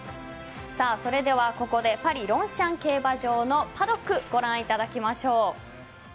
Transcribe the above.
それではここでパリロンシャン競馬場のパドックご覧いただきましょう。